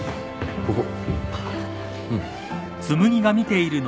ここ。